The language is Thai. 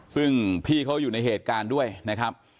ซึ่งพี่เขาอยู่ในเหตุการณ์ด้วยนะครับ